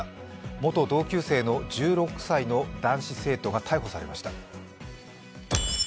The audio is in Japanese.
元同級生の１６歳の男子生徒が逮捕されました。